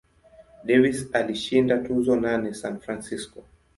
Davis alishinda tuzo nane San Francisco.